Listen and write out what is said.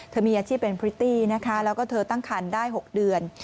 มีอาชีพเป็นพริตตี้นะคะแล้วก็เธอตั้งคันได้๖เดือน